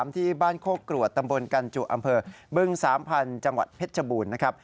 ที่บ้านโคกรวดตำบลกันจุอำเภอบึงสามพันธุ์จังหวัดเพชรบูรณ์นะครับ